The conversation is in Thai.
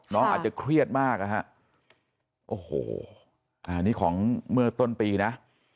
น้องอาจจะเครียดมากนะฮะโอ้โหอันนี้ของเมื่อต้นปีนะ